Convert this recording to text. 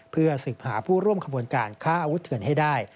เพื่อสืบหาผู้ร่วมขบวนการค้าอาวุธเถื่อนให้ได้